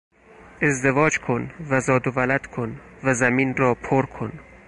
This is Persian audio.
ازدواج کن و زاد و ولد کن و زمین را پر کن!